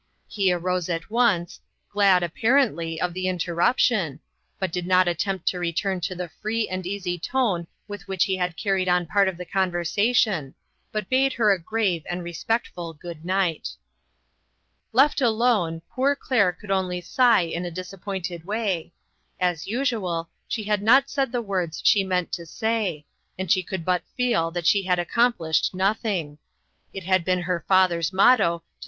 He arose at once, glad, apparently, of the interruption, but did not attempt to return to the free and easy tone with which he had carried on part of the conversation, but bade her a grave and respectful good night. Left alone, poor Claire could only sigh in a disappointed way ; as usual, she had not said the words she meant to say, and she could but feel that she had accomplished nothing. It had been her father's motto to I ?